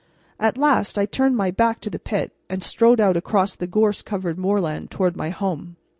At last I turned my back to the pit and strode out across the gorse covered moorland toward my home.